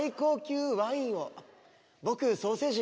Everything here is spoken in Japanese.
僕ソーセージ。